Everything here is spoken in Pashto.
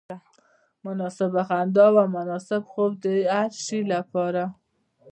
مناسبه خندا او مناسب خوب د هر شي لپاره.